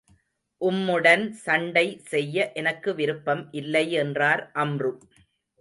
உம்முடன் சண்டை செய்ய எனக்கு விருப்பம் இல்லை என்றார் அம்ரு.